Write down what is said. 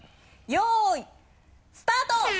よいスタート！